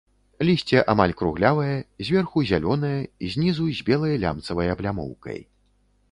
Лісце амаль круглявае, зверху зялёнае, знізу з белай лямцавай аблямоўкай.